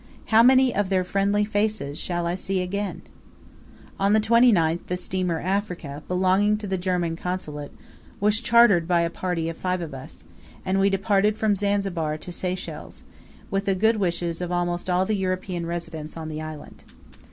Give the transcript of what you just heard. How many of their friendly faces shall I see again? On the 29th, the steamer 'Africa,' belonging to the German Consulate, was chartered by a party of five of us, and we departed from Zanzibar to Seychelles, with the good wishes of almost all the European residents on the island.